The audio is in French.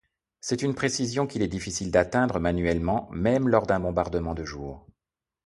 C'est une précision qu'il est difficile d'atteindre manuellement même lors d'un bombardement de jour.